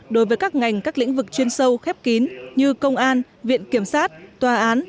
đối với các ngành các lĩnh vực chuyên sâu khép kín như công an viện kiểm sát tòa án